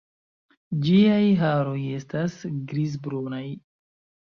Ĝiaj haroj estas grizbrunaj.